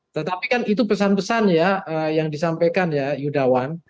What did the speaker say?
tetapi kan itu pesan pesan ya yang disampaikan ya yudawan